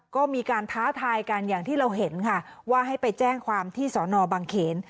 ก็มีการท้าทายกันอย่างที่เราเห็นค่ะว่าให้ไปแจ้งความที่สอนอบังเขน